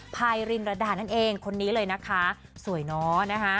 พายรินรดานั่นเองคนนี้เลยนะคะสวยเนอะนะคะ